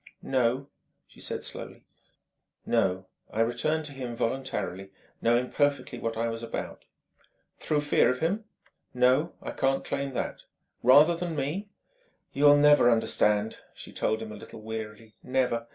"No," she said slowly.... "No: I returned to him voluntarily, knowing perfectly what I was about." "Through fear of him ?" "No. I can't claim that." "Rather than me ?" "You'll never understand," she told him a little wearily "never.